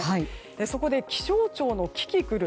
そこで気象庁のキキクル。